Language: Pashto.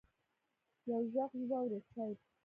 يو ږغ يې واورېد: صېب!